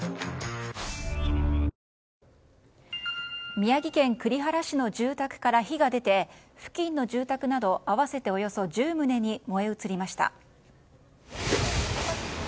宮城県栗原市の住宅から火が出て付近の住宅など合わせて１０棟に燃え移りました。